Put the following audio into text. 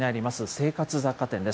生活雑貨店です。